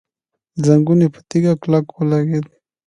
زنګون يې په تيږه کلک ولګېد.